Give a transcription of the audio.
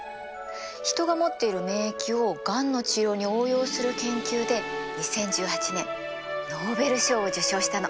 人が持っている免疫をがんの治療に応用する研究で２０１８年ノーベル賞を受賞したの。